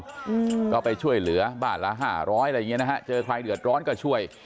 อืมก็ไปช่วยเหลือบ้านละห้าร้อยอะไรอย่างเงี้นะฮะเจอใครเดือดร้อนก็ช่วย